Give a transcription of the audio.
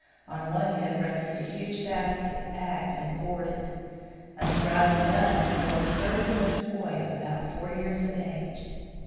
On one hip rested a huge basket, packed and corded. Astride the other rode a sturdy limbed boy of about four years of age.